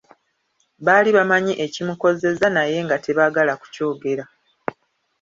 Baali bamanyi ekimukozeza naye nga tebaagala kukyogera.